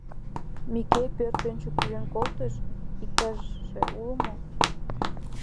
Мике, пӧрт ончык кӱзен колышт, иктаже уло мо.